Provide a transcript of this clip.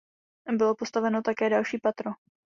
Bylo postaveno také další patro.